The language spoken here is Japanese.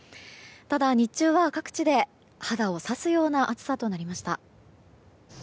ただ日中は各地で肌を刺すような暑さとなりました。